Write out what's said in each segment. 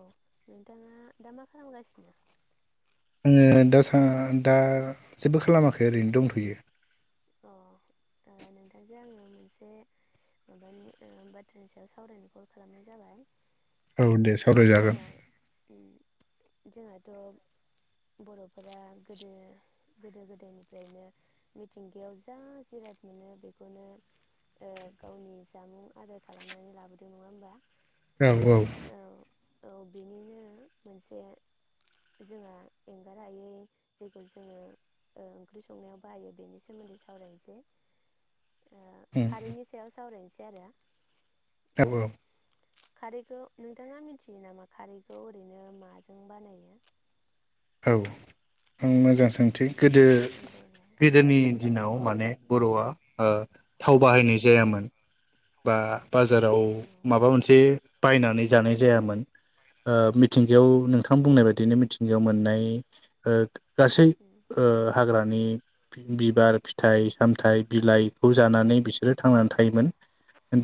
औ नोंथाङा दा मा खालामगासिनो? आंङो दासा दा जेबो खालामाखै ओरैनो दंथ'यो। अ नोंथांजों आंङो मोनसे माबानि बाथ्रानि सायाव सावरायनो कल खालामनाय जाबाय। औ दे ओ सावरायजागोन। जोंहा उम जोंहाथ' बर'फोरा गोदो गोदो गोदायनिफ्रायनो मि थिंगायाव जा जिराद मोनो बेखौनो ओ गावनि जामुं आदार खालामनानै लाबोदों नङा होमबा? औ औ। औ बिनिनो मोनसे जोंहा एंगार हायै जेखौ जोङो ओ ओंख्रि संनायाव बाहायो बेनि सो सोमोन्दै सावरायनोसै। ओ उम खारैनि सायाव सावरायनो सै आरो। औ दाबो खारैखौ नोंथाङा मिथियो नामा खारैखौ ओरैनो माजों बानायो? औ आं मोजां सोंथि गोदो देलाय गोदोनि दिनाव माने बर'आ ओ थाव बाहायनाय जायामोन बा बाजाराव औ माबा मोनसे बायनानै जानाय जायामोन ओ मिथिंगायाव औ नोंथां बुंनाय बायदिनो मिथिंगायाव मोन नाय ओ गासै उम ओ हाग्रा नि बिबार फिथाइ सामथाइ बिलाइखौ जानानै बिसोरो थांनानै थायोमोन।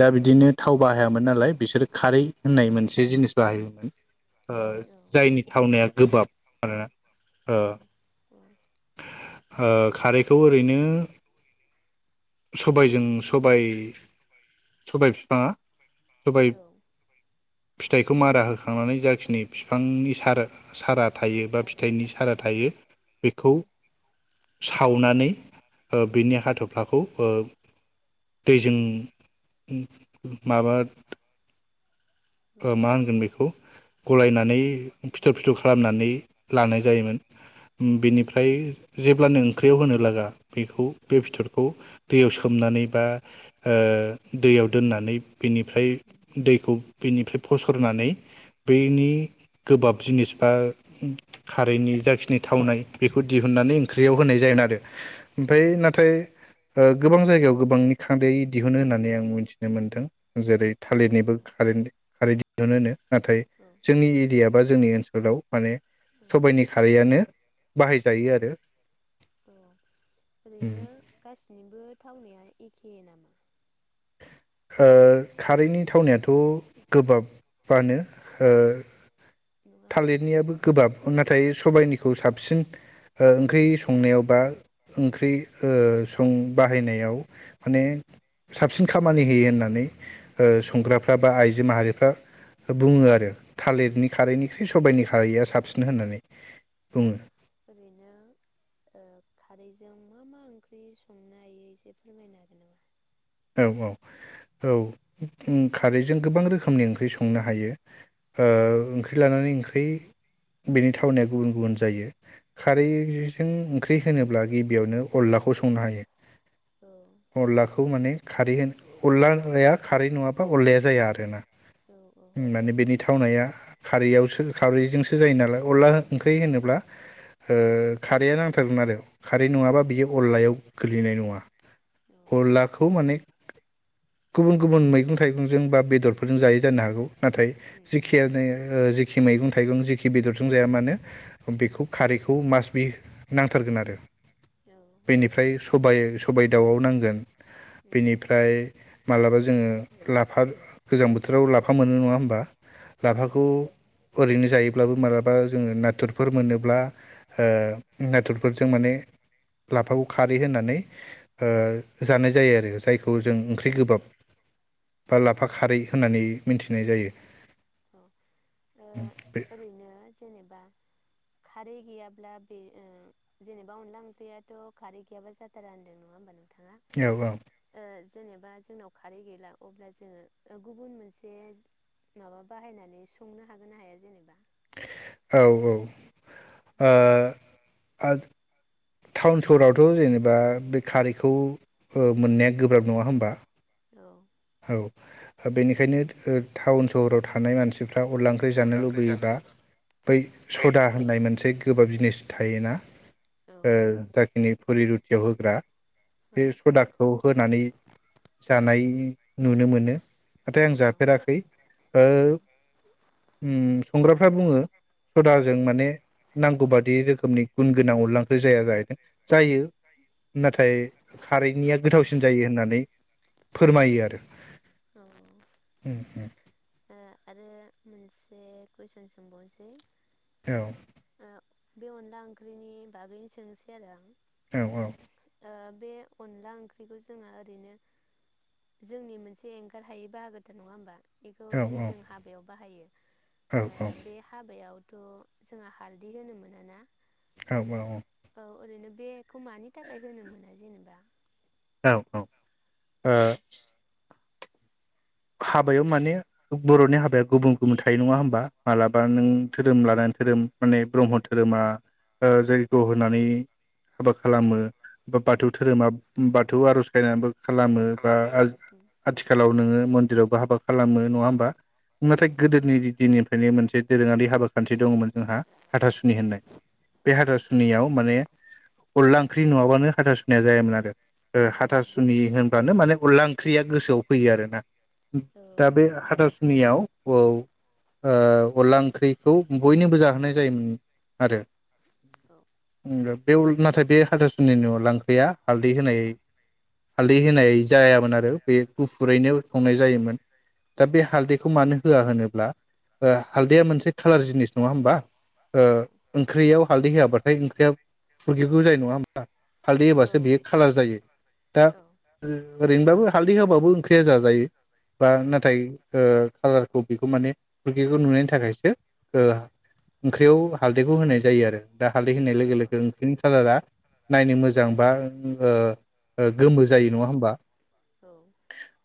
दा बिदिनो औ थाव बाहायामोन नालाय बिसोरो खारै होननाय मोनसे जिनिस बाहायोमोन। ओ जायनि थावनाया गोबाब। मानोना ओ औ ओ खारैखौ ओरैनो सबायजों सबाय सबाय बिफाङा सबाय औ फिथाइखौ मारा होखांनानै जाखिनि बिफांनि सारो सारा थायो बा फिथाइनि सारा थायो औ बेखौ सावनानै ओ बिनि हाथ'फ्लाखौ ओ दैजों माबा ओ मा लगायनानै होनगोन बेखौ औ गलायनानै फिथ'र फिथ'र खालामनानै लानाय जायोमोन बेनिफ्राय जेब्लानो ओंख्रियाव होनो लागा बेखौ बे फिथ'रखौ दैयाव सो सोमनानै बा ओ दैयाव दोननानै बेनिफ्राय दैखौ बिनिफ्राय फसरनानै उम बेनि गोबाब जिनिस बा खारैनि जाखिनि थावनाय बेखौ दिहुननानै ओंख्रियाव होनाय जागोन आरो ओमफ्राय उम नाथाय ओ गोबां जायगायाव गोबांनि खारै दिहुनो होननानै आं मिथिनो मोनदों जेरै थालिरनिबो खारै खारै दिहुनो नो। नाथाय जोंनि एरिया बा जोंनि ओनसोलाव माने सबाइनि खारैआनो बाहायजायो आरो। औ उम। ओरैनो गासिनिबो थावनाया एखे नामा? खा-खारैनि थावनायाथ' गोबाबानो ओ नङा माने थालिरनियाबो गोबाब नाथाय सबाइनि खौ साबसिन ओ ओंख्रि संनायाव बा ओंख्रि ओ सं बाहायनायाव माने साबसिन खा खामानि होयो होननानै ओ औ संग्राफ्रा बा आइजो माहारिफ्रा बुङो आरो। थालिरनि खारैनिखुरै सबाइनि खारैया साबसिन। होननानै बुङो ओरैनो खारैजों मा मा ओंख्रि संनो हायो एसे फोरमायनो हागोन नामा? औ औ औ खारैजों गोबां रोखोमनि ओंख्रि संनो हायो ओ नामा? ओंख्रि लानानै ओंख्रि बेनि थावनायया गुबुन गुबुन जायो। औ खारैजों ओंख्रि होनोब्ला गिबियावनो अनलाखौ संनो हायो औ अनलाखौ माने खारै होनो अनलाया खारै नङाबा अनलाया जाया आर ना। औ औ माने बेनि थाखाय थावनाया खारैयावसो खारैजोंसो जायो नालाय अनला ओंख्रि होनोब्ला ओ उम खारैआ नांथारगोन आरो खारै नङाबा बियो अनलायाव गोग्लैनाय नङा औ अनलाखौ माने गुबुन गुबुन मैगं थाइगंजों बा बेदरफोरजों जायै जानो हागौ। नाथाय उम जिखियानो ओ जिखि मैगं थाइगं खि बेदरजों जाया मानो उम बेखौ खारैखौ मासबि नांथारगोन आरो औ बेनिफ्राय सबाइ सबाइ दाउआव नांगोन उम बेनिफ्राय मालाबा जोङो लाफा गोजां बोथोराव लाफा मोनो नङा होमबा औ औ लाफाखौ ओरैनो जायो। ब्लाबो मालाबा जोङो नाथुरफोर मोनोब्ला ओ उम नाथुरफोरजों माने लाफाखौ खारै होनानै ओ उम जानाय जायो आरो जायखौ जों ओंख्रि गोबाब बा औ लाफा खारै होननानै मिथिनाय जायो। औ बे ओरैनो जेनेबा खारै गैयाब्ला बे ओ जेनेबा अनला ओंख्रियाथ' खारै गैयाबा जाथारा होनदों नङा होमबा औ औ नों [unintelligible] जेनेबा जोंनाव खारै गैला अब्ला जोङो गुबुन मोनसे माबा बाहायनानै संनो हागोन ना हाया जेनेबा? औ औ ओ ओ टाउन सहरावथ' जेनेबा बे खारैखौ मोननाया गोब्राब नङा होनोमबा। औ औ बेनिखायनो टाउन सहराव थानाय मानसिफो फ्रा अनला ओंख्रि जानो लुबैयोबा बै उम सदा होननाय मोनसे गोबाब जिनिस थायोना औ ओ जाखिनि फुरि रुटियाव होग्रा औ बे औ सदाखौ होनानै जानाय नुनो मोनो नाथाय आं औ जाफेराखै ओ उम उम संग्राफ्रा बुङो सदाजों औ माने नांगौ बादि रोखोमनि गुन गोनां उनलांख्रि जाया जाहैदों जायो उम नाथाय खारैनिया गोथावसिन जायो होननानै फोरमायो आरो। औ उम उम आरो मोनसे कुइसन सोंबावनोसै औ ओ बे अनला ओंख्रिनि बागैनो सोंसै आरो आं औ औ ओ बे अनला ओंख्रिखौ जोङो ओरैनो जोंनि मोनसे एंखारार हायै बाहागोथार नङा होमबा? बेखौ औ जेन जों हाबायाव बाहायो औ ओ बे हाबायाव थ' जोंहा हालदै होनो मोन ना औ औ औ ओरैनो बे खौ मानि थाखाय होनो मोना? जेनेबा औ औ ओ उम हाबायाव माने बर'नि हाबाया गुबुन गुबुन थायो नङा होनबा मालाबा औ नों धोरोम लानानै धोरोम माने ब्रह्म धोरोमा ओ जयग' होनानै हाबा औ खालामो बा उम बाथौ उम धोरोमा बा थ' आर'ज गायनानैबो खालामो बा आथिखालाव नोङो मन दिरावबो हाबा खालामो नङा होनबा? नाथाय उम उम गोदोनि दिननिफ्रायनो मोनसे दोरोङारि हाबा खान्थि दङमोन। जोंहा हाथासुनि होननाय बे औ हाथासुनियाव माने अनला ओंख्रि नङाबानो हाथ सुनाया जायामोन आरो ओ औ हाथासुनि होनब्लानो माने अनला ओंख्रिया गोसोआव फैयो आरो ना औ दा बे हाथासुनियाव औ ओ अनला ओंख्रिखौ बयनोबो जाहोनाय जायोमोन आरो नोंगौ बे उल नाथाय बे हाथासुनिनि अनला ओंख्रिया हालदै होनाय हालदै होनाय जायामोन आरो बे उम गुफुरैनो संनाय जायोमोन दा बे औ हालदैखौ मोनो होआ होनोब्ला ओ हालदैया मोनसे खालार जिनिस नडा होनबा ओ औ ओंख्रै आव हालदै होआ होबाथाय ओंख्रिया फुरगेव गेव जायो नङा होनबा हालदै होबासो बेयो खाालार जायो दा औ ओरैनोबाबो हालदै होबाबोबो ओंख्रैया जाजा बा नाथाय ओ कालारखौ बेखौ माने फुरगेवगेव नुनायनि थाखायसो ओ ओंख्रियाव हाल बेखौ होनाय जायो आरो दा हालदै होननाय लोगो लोगो ओंख्रिनि खालारा नायनो मोजां बा ओ गोमो जायो नङा होमबा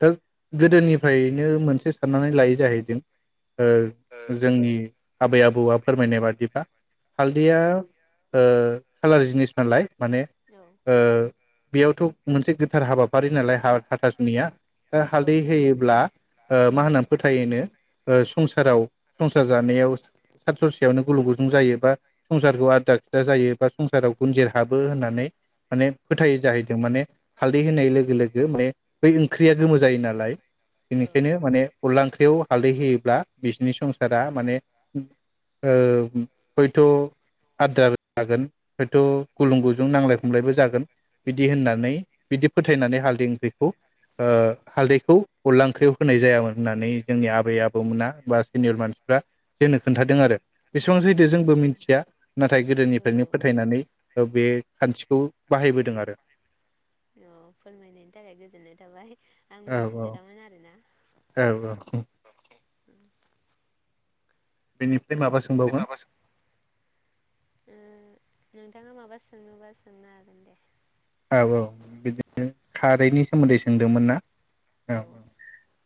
दा गोदोनिफ्रायनो मोनसे साननानै लायै जाहैदों ओ जोंनि आबै आबौआ फोरमायनाय बादिब्लाा उम हालदैया ओ खाालार जिनिस नालाय माने ओ बेयावथ' मोनसे गोथार हाबाफारि नालाय हाथासुनिया औ हालदै होयोब्ला ओ औ मा होननानै फोथायोनो संसराव संसार जानायाव बेवनो गुुलुं गुुजुं जायो बा संसारखौ आद्रा खिद्रा जायो बा संसाराव गुनजेर हाबो होननानै माने फोथायो जाहैदों माने हालदै होननाय लोगो लोगो माने बै ओंख्रि गोमो जायो नालाय बेनिखायनो माने अनला ओंख्रियाव बेखौ हालदै होयोब्ला बिसोरनि संसारा माने ओ हयथ' आद्रा जागोन हयथ' गुलुं औ गुजुं नांलाय खमलायबो जागोन बिदि होननानै बिदि फोथायनानै हालदै ओंख्रिखौ ओ हालदै खौ अनला ओंख्रियाव होनाय जायामोन होननानै जोंनि आबै आबौमोना बा सिनियर मानसिफ्रा जोंनो खोन्थादों आरो बेसेबांसैदो जोंबो मिथिया नाथाय गोदोनिफ्रायनो फोथायनानै बे खान्थिखौ बाहायबोदों आरो औ फोरमायनायनि थाखाय गोजोननाय थाबाय आं औ मिथिफेरामोन आरो ना औ औ [unintelligible] बेनिफ्राय माबा ओमफ्राय सोंबावगोन ओ नोंथाङा माबा सोंङोबा सोंनो हागोन दे औ औ बिदि खारैनि सोमोन्दै सोंदोंमोन ना औ औ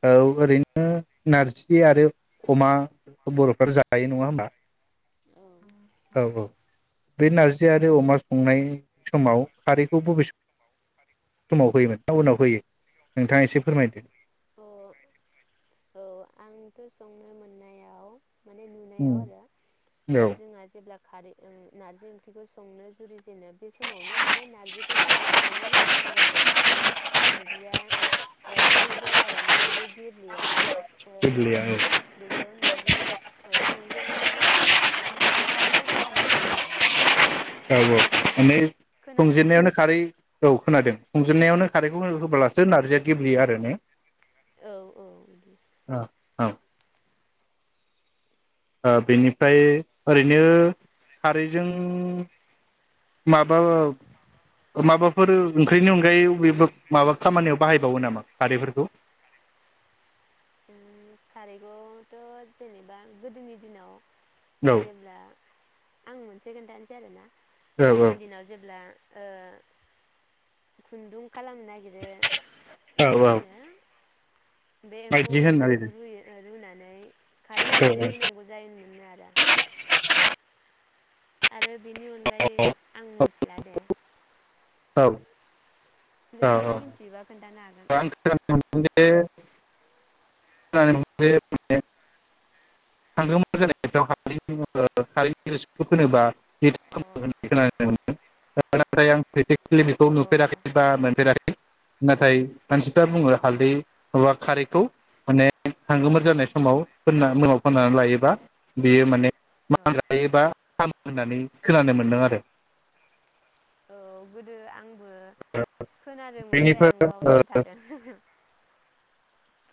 औ [unintelligible] नारजि आरो अमा बर'फ्रा जायो नङा होमबा औ औ बे नारजि आरो अमा संनाय समाव खारै [unintelligible] फैयो नोंथाङा एसे फोरमायदो अ औ आंथ' संनो मोननायाव माने नुनायाव आरो औ ओ जोंहा जेब्ला खारै ओं नारजि ओंख्रिखौ संनो जुरिजेनो बे समावनो मा ने नारजिखौ रुनाय समावनो हो खानांगौ आरो नङाबा नारजिया ओ गुरै जाया आरो माने बेयो गेब्लेया। ओ गोरलैया औ बेखौ नारजिखौ। ओ संजेन्नायावनो बेखौ ना खारैखौ होखानांगौ आरो माने। औ औ माने। खोनादों खंजेनन्नायावनो खारै औ। खोनादों खंजोबनायावनो। खारैखौ हो होब्लासो नारजिया गेब्लेयो आरो ने। औ औ बिदि। औ। ओ बेनिफ्राय ओरैनो खारैजों माब माबाब माबाब। फोरो ओंख्रिनि अनगायै अबे बोब माबा खामानियाव बाहायबावो नामा खारैफोरखौ। ओ खारैगथ' जेनेबा गोदोनि दिनाव। औ जेब्ला आं मोनसे खोन्थानोसै आरो ना। औ गोदोनि दिनाव जेब्ला। ओ खुन्दुं खालामनो नागिरो। औ ना औ होनो खौ बिदि होनना लिरो फिथोबखौ रुयो ओ रुनानै। खारै होनानै औ रुनांगौ जायो। होनो आरो आरो औ लादे औ औ औ नोंथाङा मिथियोबा खोन्थानो हागोन आं खोनानो मोनदों जे खारै रीसिखौ हांगोमोर जानायाव खारैखौ फोनोबा [unintelligible] अ [unintelligible] खुलिखौ बेखौ अ औ नुफेराखै बा मोनफेराखै नाथाय मानसिफ्रा बुंङो औ हालदै नवाबा खारैखौ माने हांगोमोर जानाय औ समाव फोनना होनांगौ खन्नानै लायोबा बियो माने मा औ जायोबा होननानै खोनानो मोनदों आरो औ गोदो आं आंबो खोनादोंमोन दे आं बेनिफ्राय बावनानै थादों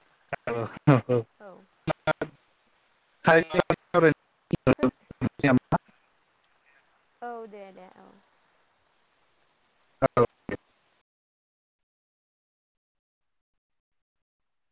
औ औ औ [unintelligible] खोन [inaudible] औ दे दे औ [inaudible] औ